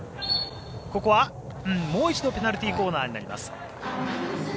ここはもう一度ペナルティーコーナーになります。